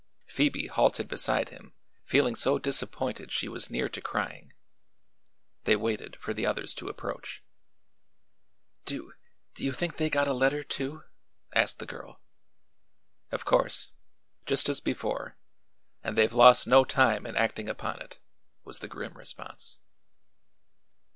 Phoebe halted beside him, feeling so disappointed she was near to crying. They waited for the others to approach. "Do do you think they got a letter, too?" asked the girl. "Of course; just as before; and they've lost no time in acting upon it," was the grim response.